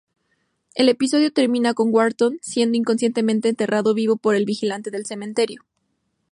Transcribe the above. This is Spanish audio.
El episodio termina con Wharton siendo inconscientemente enterrado vivo por el vigilante del cementerio.